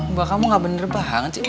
mbak kamu gak bener banget sih